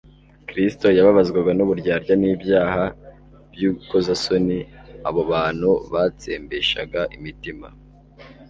Kristo yababazwaga n'uburyarya n'ibyaha by'unikozasoni abo abantu batsembeshaga imitima,